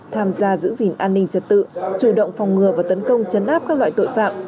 tham gia giữ gìn an ninh trật tự chủ động phòng ngừa và tấn công chấn áp các loại tội phạm